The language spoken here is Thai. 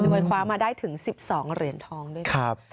มวยคว้ามาได้ถึง๑๒เหรียญทองด้วยกัน